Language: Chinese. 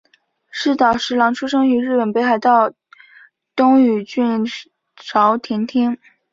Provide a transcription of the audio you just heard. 寺岛实郎出生于日本北海道雨龙郡沼田町。